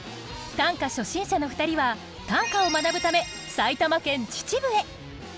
短歌初心者の２人は短歌を学ぶため埼玉県秩父へ。